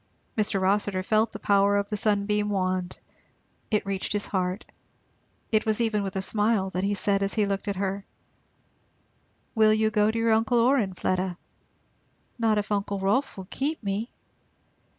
Mr. Rossitur felt the power of the sunbeam wand, it reached his heart; it was even with a smile that he said as he looked at her, "Will you go to your uncle Orrin, Fleda?" "Not if uncle Rolf will keep me."